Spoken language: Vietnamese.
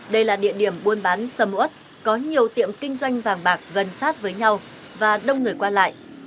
đây là địa điểm buôn bán sầm ướt có nhiều tiệm kinh doanh vàng bạc gần sát với nhau và đông người qua lại